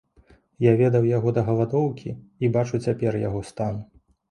Я ведаў яго да галадоўкі і бачу цяпер яго стан.